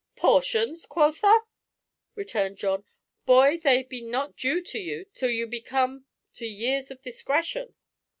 "Portions, quotha?" returned John. "Boy, they be not due to you till you be come to years of discretion."